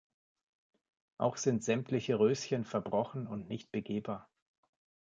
Auch sind sämtliche Röschen verbrochen und nicht begehbar.